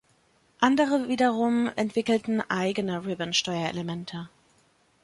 Andere wiederum entwickeln eigene Ribbon-Steuerelemente.